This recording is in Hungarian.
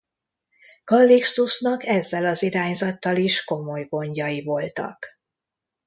Kallixtusznak ezzel az irányzattal is komoly gondjai voltak.